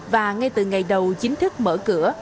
và ngay từ ngày đầu chính thức mở cửa